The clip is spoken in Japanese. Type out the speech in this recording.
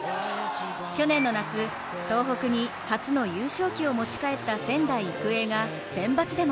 去年の夏、東北に初の優勝旗を持ち帰った仙台育英がセンバツでも。